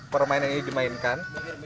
permainan ini dimainkan